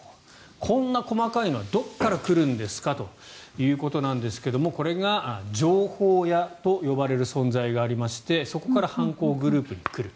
こんな細かいのはどこから来るんですかということなんですがこれが情報屋と呼ばれる存在がありましてそこから犯行グループに来る。